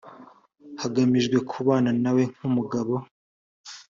hagamijwe kubana nawe nk umugabo